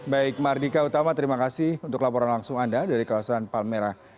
baik mardika utama terima kasih untuk laporan langsung anda dari kawasan palmerah